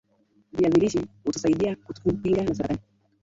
viazi lishe husaidia kutukinga na saratani